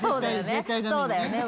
そうだよね。